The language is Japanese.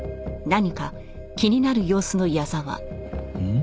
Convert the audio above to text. ん？